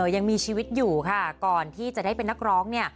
ยังมีชีวิตอยู่ค่ะก่อนที่จะได้เป็นนักร้องเนี่ย